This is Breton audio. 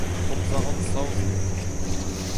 Komz a ran saozneg.